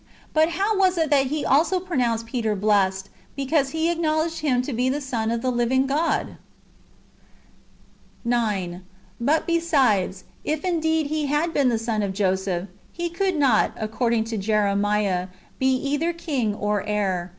And how was it that He also pronounced Peter blessed, because he acknowledo; ed Him to be the Son of the livins^ God ?^ 9. But besides, if indeed He had been the son of Joseph, He could not, according to Jeremiah, be either king or heir.